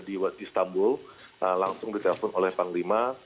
di istanbul langsung ditelepon oleh panglima